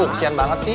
kesian banget sih